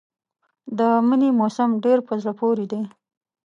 د مني موسم ډېر په زړه پورې دی.